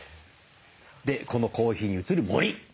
でこのコーヒーに映る森。